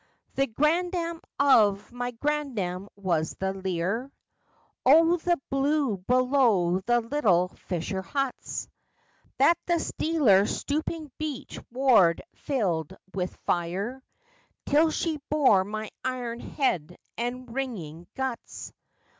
The grandam of my grandam was the Lyre [O the blue below the little fisher huts!] That the Stealer stooping beach ward filled with fire, Till she bore my iron head and ringing guts!